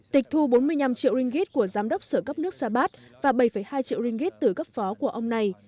tịch thu bốn mươi năm triệu ringgit của giám đốc sở cấp nước sabat và bảy hai triệu ringgit từ cấp phó của ông này